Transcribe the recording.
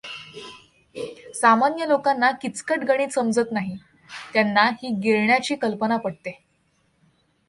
सामान्य लोकांना किचकट गणित समजत नाही, त्यांना ही गिळण्या ची कल्पना पटते.